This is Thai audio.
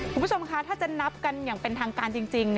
คุณผู้ชมคะถ้าจะนับกันอย่างเป็นทางการจริง